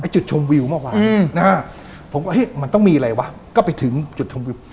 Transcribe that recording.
จุดชมวิวเมื่อวานผมว่าไอ้มันต้องมีอะไรวะไปถึงจุดชมวิว